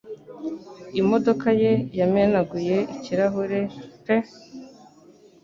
Imodoka ye yamenaguye ikirahure pe